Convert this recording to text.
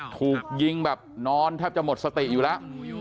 ถูกยิงแบบนอนแทบจะหมดสติอยู่แล้ว